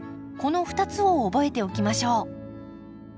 この２つを覚えておきましょう。